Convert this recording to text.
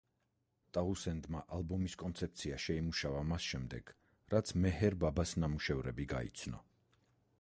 ტაუნსენდმა ალბომის კონცეფცია შეიმუშავა მას შემდეგ, რაც მეჰერ ბაბას ნამუშევრები გაიცნო.